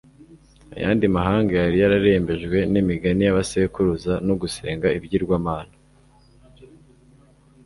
Ayandi mahanga yari yararembejwe n'imigani ya basekuruza no gusenga ibigirwamana.